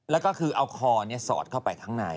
แล้วก็คือเอาคอสอดเข้าไปข้างใน